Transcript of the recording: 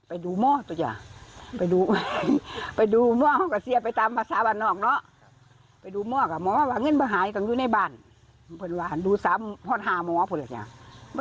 อ่าก็เก็บขึ้นมาได้หมดนะฮะ